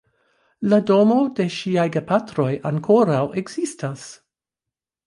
La domo de ŝiaj gepatroj ankoraŭ ekzistas.